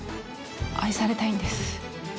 愛されたいんです。